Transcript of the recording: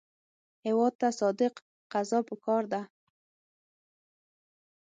هېواد ته صادق قضا پکار ده